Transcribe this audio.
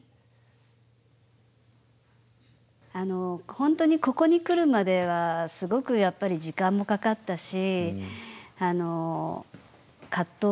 本当にここに来るまではすごくやっぱり時間もかかったし葛藤もありました。